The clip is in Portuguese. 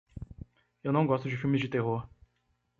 Eu não gosto de filmes de terror.